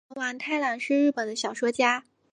舞城王太郎是日本的小说家。